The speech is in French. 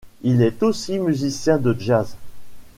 Il est aussi musicien de jazz.